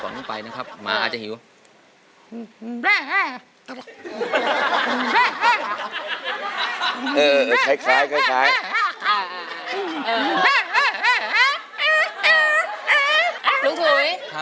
คุณหนุ่ยคุณบัญเจิดคุณเฉ๋มคุณอ้ามและคุณน้ำส้มค่ะ